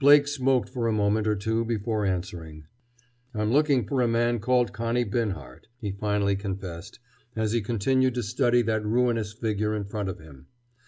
Blake smoked for a moment or two before answering. "I'm looking for a man called Connie Binhart," he finally confessed, as he continued to study that ruinous figure in front of him.